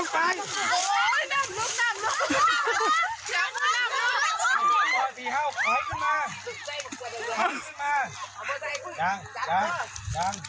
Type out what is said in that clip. โอ้ยน้ำน้ำน้ำน้ำ